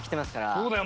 そうだよ。